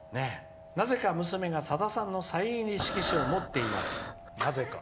「なぜか娘がさださんのサイン入り色紙を持っております」。